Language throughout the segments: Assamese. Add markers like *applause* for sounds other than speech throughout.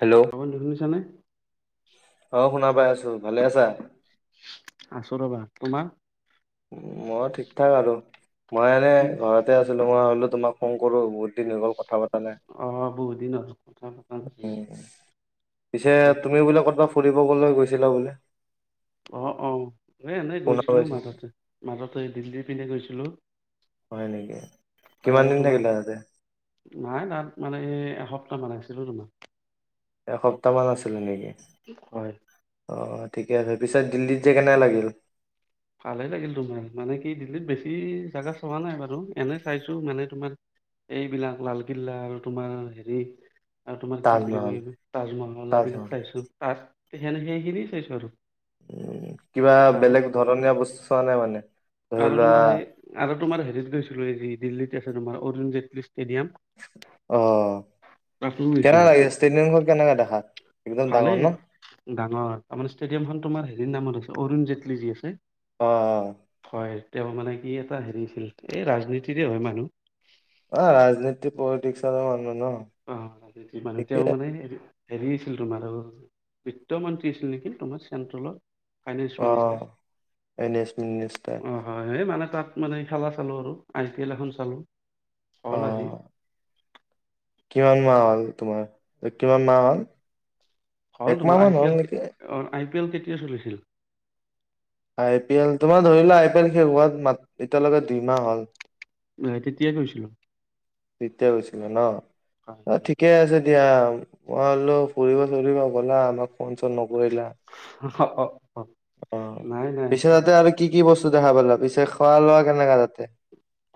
হেল্ল' অ দে শুনিছা নে অ শুনা পাই আছো ভালে আছা আছোঁ ৰবা তোমাৰ মই ঠিক ঠাক আৰু মই এনে কি ঘৰতে আছিলো মই হলো তোমাক ফোন কৰো বহুত দিন হৈ গল কথা পা অ বহুত দিন হল কথা পাতা উ পিছে বাকী তুমিও বোলে কত'বা ফুৰিব কবলৈ গৈছিলা বোলে অঁ অঁ এ এনেই শুনা গৈছিলোঁ পাইছো মাজতে মাজতে দিল্লী পিনে গৈছিলোঁ হয় নেকি কিমান আৰু দিন তোমাৰ থাকিলা তাতে নাই তাত মানে এই এসপ্তাহ মান আছিলো তোমাৰ এসপ্তাহ মান আছিলি নেকি হয় অ ঠিকে আছে পিছত দিল্লীত যায় কেনে লাগিল ভালে লাগিল তোমাৰ মানে কি দিল্লীত বেছি জাগা চোৱা নাই বাৰু এনে চাইছো মানে তোমাৰ এইবিলাক লালকিল্লা আৰু তোমাৰ হেৰি আৰু তোমাৰ কি বুলি তাজমহল কয় এই তাজমহল এইবিলাক চাইছো তাজ সেনেকে সেই খিনিয়েই চাইছো আৰু উম কিবা আৰু বেলেগ ধৰণীয়া বস্তু চোৱা নাই মানে। ধৰি আৰু লোৱা তোমাৰ সেই আৰু তোমাৰ হেৰিত গৈছিলো হেই দিল্লীত তোমাৰ অৰুণ জেটলী। ষ্টেডিয়াম, অ তাতো কেনে গৈছিলো লাগিল ষ্টেডিয়ামখন কেনেকা দেখাত একদম ডাঙৰ ন ভালেই ডাঙৰ তাৰমানে ষ্টেডিয়াম খন তোমাৰ হেৰি নাম আৰু অৰুণ জেটলী যি আছে। অ অ। তেওঁ মানে কি এটা হেৰিছিল, এই ৰাজনীতিৰে হয় মানুহ। অ ৰাজনীতি পলিটিক্স ৰ মানুহ ন। অ মানুহ ঠিকে এতিয়া মানে। হেৰি আছিল তোমাৰ আৰু, বিত্তমন্ত্ৰী আছিল নেকি তোমাৰ চেণ্ট্ৰেলৰ। অ ফাইনেন্স মিনিষ্টাৰ। অ হয় এই মানে তাত মানে খেলা চালো আৰু আই পি এল এখন চালো। ক অ লাগি, কিমান মাহ হল তোমাৰ, কিমান মাহ হল? হল একমাহ তোমাৰ মান আই পি হ'ল এল, নেকি অঁ I P L. I P L কেতিয়া চলিছিল? আই পি এল তোমাৰ ধৰি লোৱা, আই পি এল শেষ হোৱা তোমাৰ এতিয়ালৈকে দুইমাহ হল। তেতিয়া গৈছিলো তেতিয়া হৈছিলে ন। অ হয় ঠিকে আছে। দিয়া মই বোলো ফুৰিব চুৰিব গলা। আমাক ফোন চোন নকৰিলা? অ, অ অ নাই নাই পিছে তাতে আৰু কি কি বস্তু দেখা পালা, পিছে খোৱা লোৱা কেনেকা তাতে?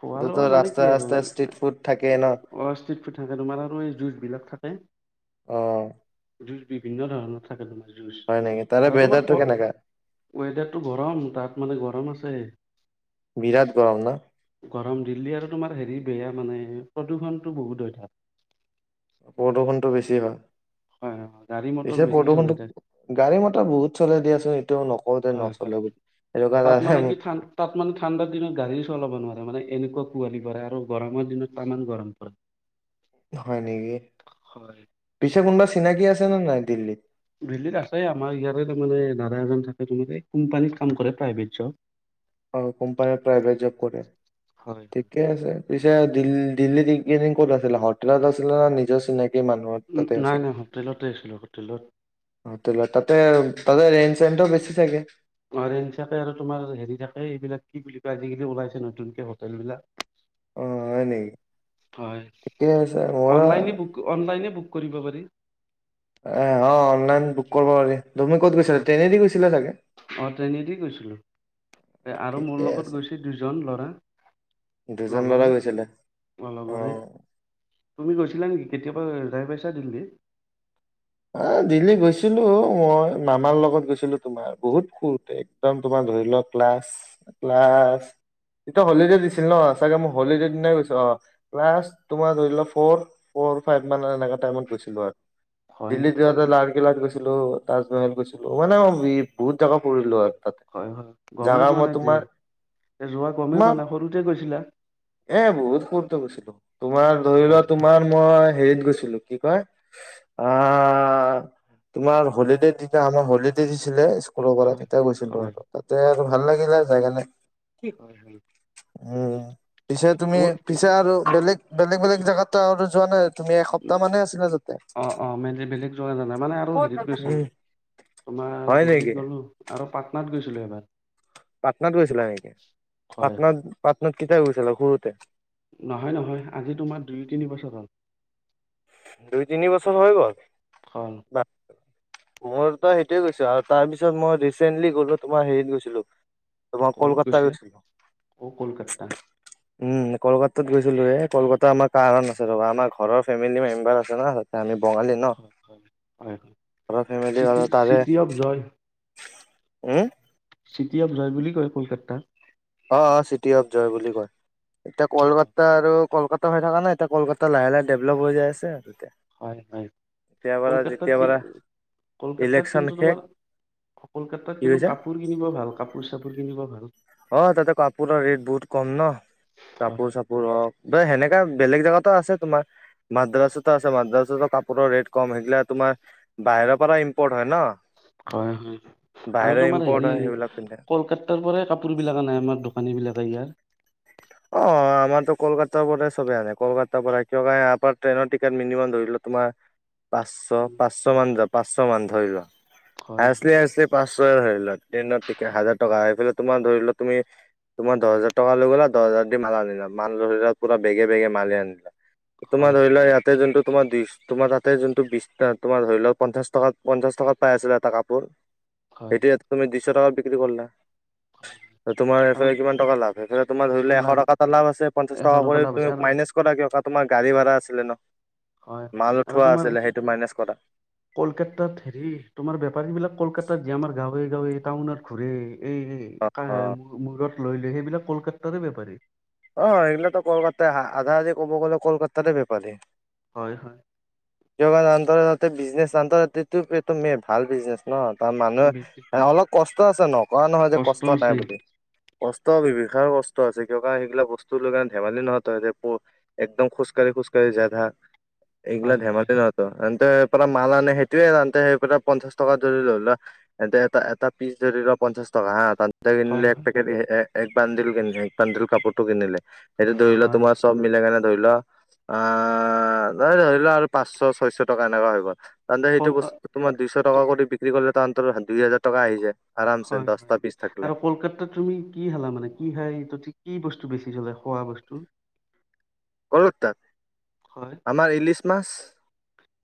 খোৱা তাতেতো লোৱা মানে কি ৰাস্তাই আৰু ৰাস্তাই ষ্ট্ৰিট ফুড থাকেই ন অ ষ্ট্ৰিট ফুড থাকে তোমাৰ আৰু এই জুচ বিলাক থাকে। অ জু বিভিন্ন ধৰণৰ থাকে তোমাৰ। হয় নেকি তাৰে আৰু তোমাৰ ৱেডাৰটো কেনেকা ৱেডাৰটো গৰম তাত মানে গৰম আছে। বিৰাট গৰম ন গৰম দিল্লী আৰু তোমাৰ হেৰি বেয়া মানে প্ৰদূষণটো বহুত অথা প্ৰদূষণটো বেছি হয়। হয় হয় হয়, গাড়ী মটৰ পিছে বেছি চলে প্ৰদূষণটো তাত গাড়ী মটৰ বহুত চলে দিয়ে চোন আছো ঐ হয় হয় তাত মানে কি এটা তাত মানে ঠাণ্ডাৰ দিনত গাড়ী চলাব নোৱাৰে মানে এনেকুৱা পোৱালি পাৰা আৰু গৰমৰ দিনত তামান গৰম পৰে। হয় নেকি? হয় পিছে কোনবাছ চিনাকি আছে না নাই দিল্লীত। দিল্লীত আছে আমাৰ ইয়াৰে তাৰে দাদা এজন থাকে তুমি তাই কোম্পানীত কাম কৰে প্ৰাইভেট জব। অ কোম্পানী প্ৰাইভেট জব কৰে, হয়। হয়। ঠিকে আছে। পিছ দিল্ী দি ক'ত আছিলে হোটেলত আছিলে ন নিজৰ চিনাকি মানুহৰ তাতে নাই নাই হোটেলতে আছিলো হোটেলত অ তে তাতে তাতে ৰেঞজ চও বেছি থাকে জ থাকে আৰু তোমাৰ হেৰি থাকে এইবিলাক কি বুলি কয় আজিকালি ওলাইছে নতুনকে হোটেল অ বিলাক হয় নেকি হয় ঠিকে আছে মোৰ অনলাইনে অনলাইনে কৰিব পাৰি এ অ অনলাইন বুক কৰিব পাৰি তুমি ক'ত গৈছিলা ট্ৰেইনেদি গৈছিলা চাগে অঁ ট্ৰেইনদি গৈছিলোঁ আৰু মোৰ ঠিকে লগত আছে গৈছে দুজন ল'ৰা, দুজন ল'ৰা লগৰে গৈছিলে মোৰ লগৰে। অ তুমি গৈছিলা নেকি? কেতিয়াবা জাই পাইছা ট্ৰেইন্ দি? অ দিল্লী গৈছিলো মই মামাৰ লগত গৈছিলো, তোমাৰ বহুত সৰুতে একদম তোমাৰ ধৰি লোৱা ক্লাছ ক্লাছ তেতিয়া হ'লিডে দিছিল ন! চাগে মই হ'লিডে দিনাই গৈছো অ' ক্লাছ তোমাৰ ধৰি লোৱা ফৌৰ, ফৌৰ ফাইভ মানত এনেকুৱা টাইম ত গছিলো আৰু। হয় দিল্লীত নেকি? যাওঁতে লালকিল্লাত গৈছোঁ তাজমহল গৈছিলো মানে মই বহুত জেগাত ফুৰিলোঁ হয় হয়, গমেই জাগা পোৱা মই নাই তে তোমাৰ যোৱা গমেই পোৱা তোমাৰ নাই সৰুতে গৈছিলা? এ বহুত সৰুতে গৈছিলো তোমাৰ ধৰি লোৱা অ'। তোমাৰ মই হেৰিত গৈছিলো কি কয় অ তোমাৰ হ'লিডেৰ দিনা আমাৰ হ'লিডে দিছিলে সকলৰ পৰাই হয়। তেতিয়া গৈছিল হয়, আৰু তাতে আৰু ভাল লাগিলে যায় কেনে হয় হয় উম পিছে তুমি পিছে আৰু বেলেগ বেলেগ বেলেগ জেগাত টো আৰু টো যোৱা নাই তুমি এসপ্তাহ মানহে আছিলা তাতে মই এনে বেলেগ যোৱা নাই নামানে আৰু হেৰিত গৈছিলোঁ উম তোমাৰ হয় দিল্লীত নেকি গ'লোঁ আৰু পাটনাত গৈছিলোঁ এবাৰ পাটনাত গৈছে গৈছিলা নেকি? হয় পাটনাত হয় পাটনাত কেতিয়া গৈছিলা সৰুতে? নহয় নহয় আজি তোমাৰ দুই তিনি বছৰ হ'ল দুই তিনি বছৰ হৈ গ'ল? অ মইতো সেইটোৱে গৈছো আৰু তাৰপিছত মই ৰিচেন্টলি গলো তোমাৰ হেৰিত গৈছিলো তোমাৰ কত কলকাতা গৈছিলা গৈছিলো অ কলকাতা উম কলকাতাত গৈছিলো হে কলকাতা আমাৰ কাৰণ আছে ৰবা আমাৰ ঘৰৰ ফেমিলি ফেমিলি মেম্বাৰ আছে ন তাতে আমি বঙালী ন অ অ হয়, ঘৰৰ ফেমিলি চিটি আৰু তাৰে city of joy um city of joy বুলি কয় কলকাতা অ অ চিটি অফ জয় বুলি কয় এতিয়া কলকাতা আৰু কলকাত হৈ থকা নাই, এতিয়া কলকাত লাহে লাহে ডেভলপ হৈ যায় আছে এতিয়া হয়, হয়। এতিয়া পৰা কলকাতাত যেতিয়া কি পৰা কলকাতাত ইলেকচন কিন্তু শেষ তোমাৰ কলকাতাত কি কিন্তু কৈছা কাপোৰ কিনিব ভাল কাপোৰ চাপোৰ। কিনিব ভাল অ' তাতে কাপোৰৰ ৰেট বহুত কম ন কাপোৰ হয় চাপোৰ হওঁক। এনেকা বেলেগ জেগাতো আছে তোমাৰ মাদ্ৰাছাতো আছে মাদ্ৰাছাতো কাপোৰৰ ৰেট কম সেইগলা তোমাৰ বাহিৰৰ পৰা ইম্পৰ্ট হয় ন'। হয়, হয় আৰু বাহিৰৰ তোমাৰ ইম্পৰ্ট হেৰি হয় সেইবিলাক পিন্ধে কলকাত তাৰ পৰাই কাপোৰবিলাক আনাই আমাৰ দোকানীবিলাকে ইয়াৰ। অ', আমাৰতো কলকাতাৰ পৰা চবে আনে কলকাতাৰ পৰা কিয় আপাৰ ট্ৰেইনৰ টিকেট মিনিমাম ধৰি লোৱা তোমাৰ পাঁচশ পাঁচশ মান যা পাঁচশ মান ধৰি লোৱা। হয় হায়েচলি হায়েচলি পাঁচ ধৰি লোৱা ট্ৰেইনত টে হাজাৰ টকা আহিলে তোমাৰ ধৰি লোৱা তুমি তোমাৰ দহ হাজাৰ টকা লৈ গ'লা। দহ হাজাৰ দি মাল আনিলা মান ধৰি লোৱা পুৰা বেগে বেগে মাল আনিলা। তোমাৰ হয় ধৰি হয় লোৱা ইয়াতে যোনটো তোমাৰ দিশ তোমাৰ তাতে যোনটো বিশ তোমাৰ ধৰি লওঁক পঞ্চাশ টকাত পঞ্চাশ টকাত পাই আছিলা এটা কাপোৰ। হয় সেইটো ইয়াত তুমি দিচ শ টকাত বিক্ৰী কৰলা। হয় তোমাৰ আৰু এইফালে কিমান টকা লাভ *unintelligible* তোমাৰ ধৰিলোৱা, এশ টকা এটা লাভ আছে, পঞ্চাশ টকা এখন কৰি ক্লাব আছে তুমি আৰু মাইনাছ কৰা এটা তোমাৰ গাড়ী ভাড়া আছিলে ন? হয়, হয়, মাল আৰু উঠোৱা তোমাৰ আছিলে সেইটো মাইনাছ কৰা কলকাতাত হেৰি, তোমাৰ বেপাৰী বিলাক কলকাতাত যে আমাৰ গাওঁ গৈ গাঁও এৰি টাউনত ঘূৰে! অ অ এই, মূৰত লৈ লয়, সেইবিলাক কলকাতাৰে বেপাৰী। অ', এইবিলাকতো কলকাতাই আহা আধা আধি ক'ব গ'লে কলকাতাৰে বেপাৰী। হয়, হয়। *inaudible* আও মানুহে বেছি *unintelligible* অলপ কষ্ট *inaudible* কয় নহয় যে কষ্ট নাই বুলি কষ্ট, *unintelligible* কষ্ট আছে *unintelligible* হয়, সেইগিলা বস্তু লৈ কেনে ধেমালি নহয়, তই যে ক'ৰ একদম খোজকাঢ়ি খোজ কাঢ়ি যাই থাকে। এইগিলা হয় হয় ধেমালি নহয়তো। তে, *unintelligible* পৰা মাল আনে সেইটোৱে *unintelligible* পঞ্চাশ টকা ধৰি ল, ল, এতে এটা এটা পিছ ধৰি ল পঞ্চাশ টকা হাঁ হয় হয় *inaudible* এক বান্ধিল কেনে এক বান্ধ কাপোৰটো কিনিলে। সেইটো ধৰি লোৱা হয় তোমাৰ চব মিলে কেনে ধৰি লোৱা আহ ন ধৰি ল আৰু পাঁচশ ছয়শ টকা এনেকুৱা হৈ গল। তন্তে সেইটো কল বস্তু তোমাৰ দুশ টকা কৰি বিক্ৰী কৰিলে দুই হাজাৰ টকা আহি যায়। আৰামছে হয় হয় দহটা পিচ থাকিলে আৰু কলকাতাত তুমি কি হালা মানে কি হয় এইটো ঠিক কি বস্তু বেছি চলে খোৱা বস্তু? কল তাত। আমাৰ ইলিচ মাছ।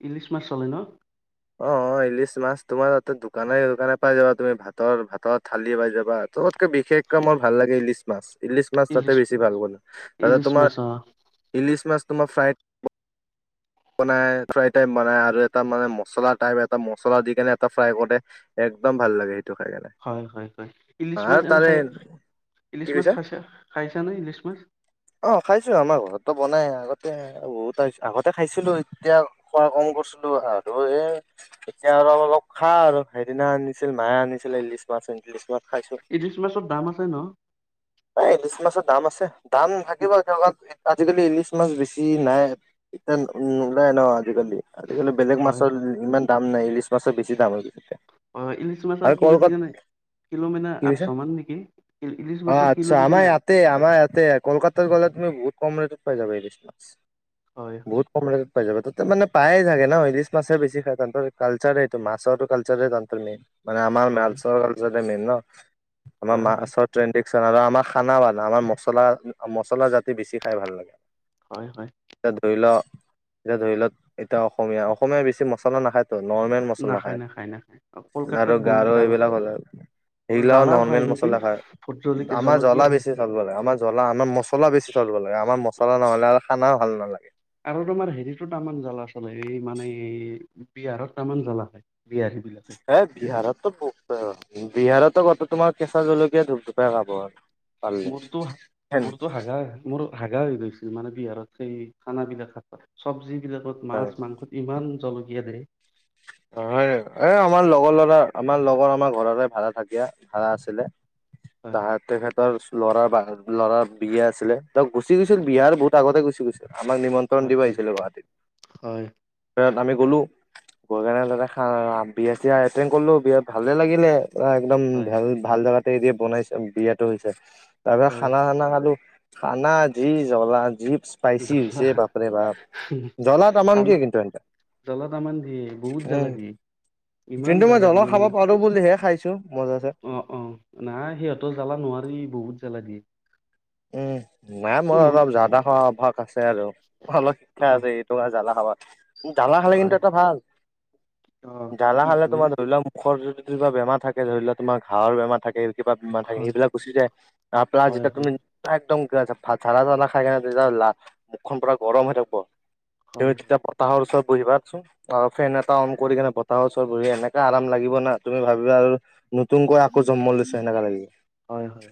ইলিচ মাছ চলে ন। অ ইলিছ মাছ তোমাৰ ততে দোকানে দোকানে পাই যাবা তুমি ভাতৰ ভাতৰ থালি পাই যাবা। যত - বিশেষকৈ মোৰ ভাল লাগে ইলিচ মাছ। ইলিচ মাছতে ইলিছ বেছি ভাল পাবি তাতে ইলিছ তোমাৰ মাছ অ ইলিচ মাছ তোমাৰ ফ্ৰাই বনাই ফ্ৰাই টাইম বনাই আৰু এটা মানে মচলা টাইপ এটা মছলা দি কেনে এটা ফ্ৰাই কৰে এক্দম ভাল লাগে। খাই কেনে হয়, হয়, হয়, ইলিচ মাছ আৰু এনে তাৰে খাই কি ইলিচ মাছ কৈছা খাইছা খাইছা নে ইলিচ মাছ? এ বহুত আগতে খাইছিলো, এতিয়া খোৱা কম কৰিছিলো আৰু। ত এ এতিয়া অলপ অলপ খাও আৰু সেইদিনা আনিছিল মায়ে আনিছিল ইলিচ মাছ। খাইছো ইলিছ মাছৰ দাম আছে ন? এই ইলিচি মাছৰ দাম আছে। দাম ভাগিব জ। আজিকালি ইলিছ মাছ বেছি নাই এতিয়া নোলাই ন আজিকালি আজিকালি বেলেগ হয় হয় হয় ইমান দাম। ন ইলিছ মাছৰ বেছি দাম হৈ গৈছে। অ ইলিছ মাছৰ আৰু কিলো কলকাত কিজানে কিলো মানে কি কৈছা আঠশ মান নেকি ইলিচ অ মাছৰ আচ্ছা কিলো আমাৰ কিজানে? ইয়াতে আমাৰ ইয়াতে কলকাতাত গ'লে তুমি বহুত কম ৰেটত পাই যাব এই বছ মাছ। হয় হয় বহুত কম। পাই যাব তাতে মে পায়ে থাগে ন। মাছে বেছি খায় তন্তৰ কালচাৰটো মাছৰটো কালচাৰ তন্তৰ মেইন। মানে আমাৰ হয় মালচৰাল। মেইন ন আমাৰ হয় হয় মাছৰ ট্ৰেণ্ড আৰু আমাৰ খানা বানা আমাৰ মছলা মছলা জাতি বেছি খাই ভাল লাগে। হয় হয় এতিয়া ধৰি লোৱা। এতিয়া ধৰি লওক এতিয়া অসমীয়া কমে বেছি মলাখায় নৰ্মেল মচলা নাখায় খাই নাখায় নাখায় অ, আৰু কলকাতাত বহুত গাৰ জ্বালা এইবিলাক হলে সেইগিলাও জ্বালাও হয় নৰৰ্মেল নেকি মচলা খায় ভোট জলকীয়া আমাৰ জলকীয়া জ্বলা হয় বেছি থলব লাগে আমাৰ জলা আমাৰ মছলা বেছি থলব লাগে আমাৰ মছলা নহ'লে, খানাও ভাল নালাগে। আৰু তোমাৰ হেৰিতোতটামান জলা আছে। *unintelligible* এই মানে এই, বিহাৰত তামান জলা খায়, হে বিহাৰততো *unintelligible* বিহাৰতো *unintelligible* তোমাৰ কেঁচা জলকীয়া ধূপ ধূপাই খাব পাৰিলে মোৰ তো মোৰ তো হাগা হয় মোৰ হাগ- -গা হৈ গৈছিল মানে বিহাৰত সেই খানা বিলাক খাই *unintelligible* চব্জি বিলাকত মাছ মাংসত ইমান, জলকীয়া দে *unintelligible* এ আমাৰ লগৰ ল'ৰা আমাৰ লগৰ আমাৰ ঘৰতে ভাড়া থাকে ভাড়া আছিলে। *unintelligible* হয় তেখেতৰ ল'ৰা *unintelligible* ল'ৰাৰ বিয়া আছিলে ত গুচি গৈছিল বিয়াৰ বহুত আগতে গৈছিল। -চি গৈছে। আমাক নিমন্ত্ৰণ হয় দিব হয় আহিছিলে গুৱাহাটীত হয় *unintelligible* আমি। গলো। *unintelligible* খা বিয়া চিয়া এটেণ্ড কৰিলো বিয়াত ভালে লাগিলে। একদম হয় ভাল ভাল জেগাত। *unintelligible* বনাইছে বিয়াটো হৈছে। তাৰ পৰা হয় খানা চানা খালো। খানা যি জ্বলা যি, স্পাইচি জলা হৈছে বাপৰে বাপ জ্বলা তামাম তামা দিয়ে কিন্তু এন্তে জলা তামান দিয়ে। বহুত জ্বালা উম দিয়ে ইমান কিন্তু মই জ্বালা জলা দিয়ে খাব মানে পাৰো বুলি -হে খাইছো মজাছে অ অ নাই সিহঁতৰ জলা নোৱাৰি বহুত জলা দিয়ে, উম নাই মই বহুত অলপ *unintelligible* অভ্যাস আছে আৰু অলপ শিক্ষা আছে হ- এই তোমাৰ জ্বালা খাবা জ্বালা খালে কিন্তু হয় এটা ভাল অ জ্বালা কি খালে ভালনো তোমাৰ ধৰি লোৱা মুখৰ য- কিবা বেমাৰ থাকে ধৰি লোৱা তোমাৰ ঘাঁৰ বেমাৰ থাকে কিবা বেমাৰ থাকে, হয় সেইবিলাক গুচি যায় আৰু প্লাছ হয় যেতিয়া তুমি হয় একদম *unintelligible* চাধা-তাধা খাই কেনে যেতিয়া *unintelligible* মুখখন পুৰা গৰম হৈ থাকিব তুমি হয় হয় তেতিয়া *unintelligible* ওচৰত বহিবাচোন, ফেন এটা অন কৰি কিনে বতাহৰ ওচৰত বহি এনেকা আৰাম লাগিব না, তুমি ভাবিবা আৰু নতুনকৈ আকৌ জন্ম লৈছো, সেনেকা লাগিব। হয় হয়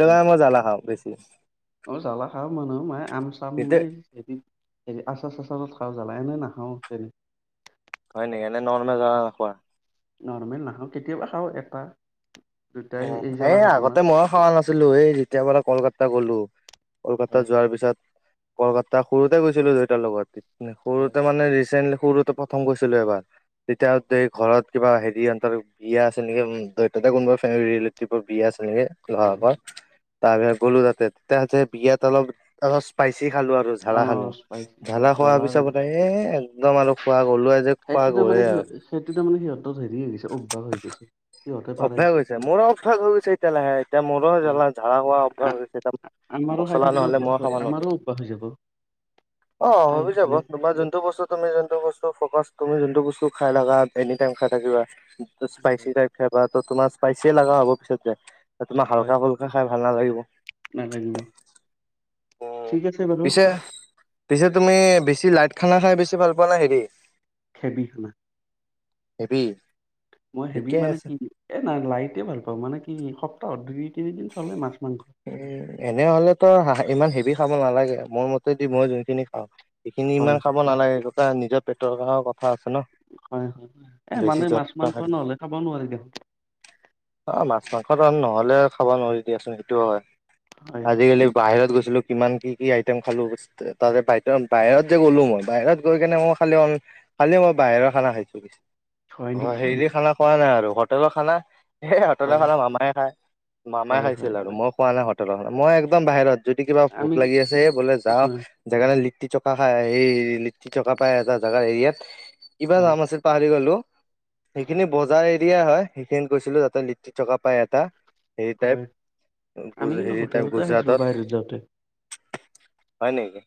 সেইটো কাৰণে মই জালা খা অ', বেছি অ', জালা খাওঁ মই *unintelligible* মাই আম-চাম কিন্তু *unintelligible* হেৰি আচা চাচা লগত খাওঁ জালা, এনে নাখাওঁ তেনে হয় নেকি, এনে নৰ্মেল জালা নোখোৱা? নৰ্মেল নাখাওঁ, কেতিয়াবা খাওঁ এটা। দুটাই অ', জ্বালা এই খাওঁ আগতে তোমাৰ মইয়ো খাৱা নাছিলোঁ, এই যেতিয়াৰ পৰা কলকাতা *unintelligible* গ'লো কলকাতা হয় যোৱাৰ পিছত কলকাতা সৰুতে গৈছিলোঁ দেউতাৰ লগত। হয় সৰুতে মানে ৰিচেণ্ট সৰুতে প্ৰথম গৈছিলোঁ এবাৰ। তেতিয়া আহোতে হয় ঘৰত কিবা হেৰিহতৰ বিয়া আছিল নেকি *unintelligible* কোনোবা ৰিলেটিবৰ বিয়া আছ ল হয় নেকি? হয়। *unintelligible* তাৰপে গ'লো তাতে। তাতে বিয়াত অলপ-অলপ ষ্পাইচ পচি খালো আৰু অ ঝালা খালো। স্পাইচি ঝালা খোৱাৰ পিছৰ জ্বলা পৰা এ একদম আৰু খোৱা গ'লোৱে যে খোৱা সেইটো তাৰ গ'লে মানে কি আৰু হয়, সেইটো তাৰ মানে সিহঁতত হেৰি হৈ গৈছে, অভ্যাস হৈ গৈছে। পাৰে। অভ্যাস হৈছে। মোৰো অভ্যাস হৈ গৈছে এতিয়া লাহে, এতিয়া মোৰো অ' জ্বালা-ঝাল খোৱা অভ্যাস হৈছে। এতিয়া আমাৰো খাই মচলা থাকিলে নহ'লে অভ্যাস মই হয় খাব নোৱাৰো। আমাৰো অভ্যাস হৈ যাব অ', খাই হৈ যাব, থাকিলে। তোমাৰ যোনটো বস্তু তুমি যোনটো বস্তু ফ'কাচ তুমি যোনটো বস্তু খাই লাগা, এনি টাইম খাই থাকিবা *unintelligible* স্পাইচি টাইপ এবাতো তোমাৰ স্পাইচি লাগা হ'ব পিছত কে এ তোম হয় হালকা-ফুলকা খাই ভাল নালাগিব। নালাগিব। উম, ঠিক আছে বাৰু পিছে, পিছে তুমি বেছি লাইট খানা খাই বেছি ভাল পোৱা নাই হেৰি *unintelligible* *unintelligible* মই হেভি ঠিকে মানে আছে কি, এ না লাইটে ভাল পাওঁ মানে কি *unintelligible* চলে মাছ মাংস উম এনে হ'লেতো ইমান হেভি খাব নালাগে। মোৰ মতেদি মই যোনখিনি খাওঁ সেইখিনি হয় ইমান হয় খাব নালাগে *unintelligible* নিজত পেটৰ *unintelligible* কথা আছে ন, হয় হয় এ বেছি মানে মাছ মাংস *unintelligible* নহ'লে খাব নোৱাৰি দেখোন অ মাছ মাংস ধৰক নহয় *unintelligible* খাব নোৱাৰি দিয়াচোন সেইটোও হয়। হয় হয় আজিকালি বাহিৰত গৈ ছিলো কিমান কি- কি আইটেম খালো তাৰে বাহিৰত যে গ'লো মই বাহিৰত গৈ কিনে মই খালি- খালি মই বাহিৰৰ খানা খাইছো। হয় অ', নেকি হেৰি খানা খোৱা নাই আৰু। হোটেলৰ খানা এ এহঁতলে হয় খালে *unintelligible* খায়। মামাই হয় খাইছিল হয় আৰু হয় মই খোৱা নাই। *unintelligible* মই একদম বাহিৰত। যদি কিবা আমি ভোক লাগি আছে, বোলে যাওঁ হয় জেগা *unintelligible* লিটট ছকা খাই এই লিট্টিছ'কা পাই এটা জেগা হেৰিয়াত কিবা হয় নাম আছিল পাহৰি গ'লো। হয় সেইখিনি বজাই দিয়া হয়, সেইখিনিত গৈছিলো তাতে লিটটি ছ'কা পাই এটা। হেৰি হয় টাইপ- আমি কিন্তু হেৰি টাইপ হোটেলতে খাইছিলো গুজৰাটত। বাহিৰত যাওঁতে হয় নেকি।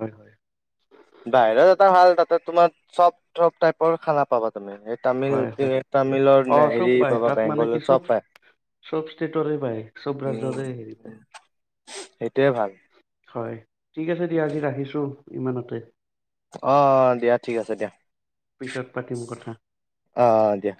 হয় হয় বাহিৰত ভাল তাতে তোমাৰ চব- চব টাইপৰ খানা পাবা তুমি। তামিল হয় হয় তামিলৰ অ নে চব হেৰি পায় পাবা তাত মানে কি বেংগলৰ চব পায়। চব ষ্টেটৰে পায়, চব উম ৰাজ্যৰে হেৰি পায়। *unintelligible* ভাল। হয় ঠিক আছে দিয়া, আজি ৰাখিছোঁ ইমানতে। অ'- অ' দিয়া ঠিক আছে দিয়া, পিছত পাতিম কথা অ' -অ' দিয়া।